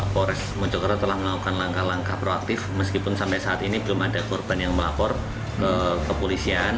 polres mojokerto telah melakukan langkah langkah proaktif meskipun sampai saat ini belum ada korban yang melapor ke kepolisian